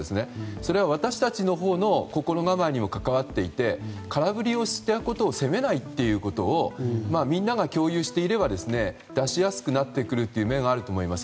それは、私たちのほうの心構えにも関わっていて空振りをしたことを責めないということとをみんなが共有していれば出しやすくなってくるという面があると思います。